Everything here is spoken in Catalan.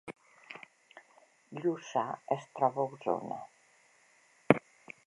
Lluça es troba a Osona